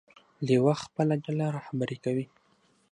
لیوه خپله ډله رهبري کوي.